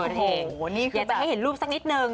อยากจะให้เห็นรูปสักนิดนึง